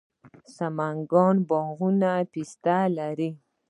د سمنګان باغونه پسته لري.